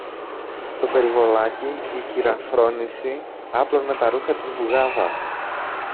Στο περιβολάκι η κυρα-Φρόνηση άπλωνε τα ρούχα της μπουγάδας